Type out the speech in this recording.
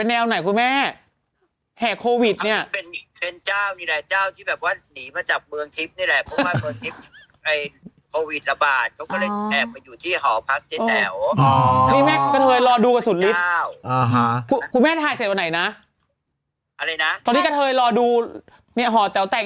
แล้วชุดของเขาจะใส่เป็นแนวไหนครับครูแม่